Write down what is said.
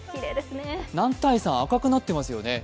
男体山、赤くなっていますよね。